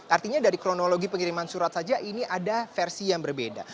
artinya dari kronologi pengiriman surat saja ini ada versi yang berbeda